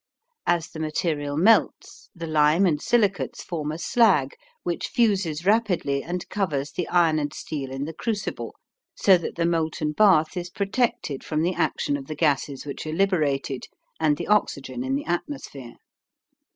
As the material melts the lime and silicates form a slag which fuses rapidly and covers the iron and steel in the crucible, so that the molten bath is protected from the action of the gases which are liberated and the oxygen in the atmosphere.